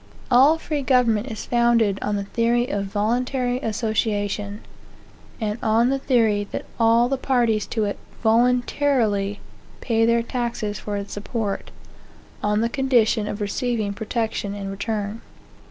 All free government is founded on the theory of voluntary association; and on the theory that all the parties to it voluntarily pay their taxes for its support, on the condition of receiving protection in return.